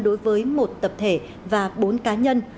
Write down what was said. đối với một tập thể và bốn cá nhân